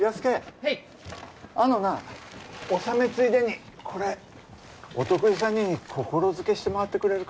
はいあのな納めついでにこれお得意さんに心付けして回ってくれるか？